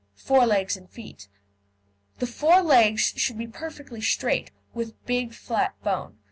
FORE LEGS AND FEET The fore legs should be perfectly straight, with big flat bone.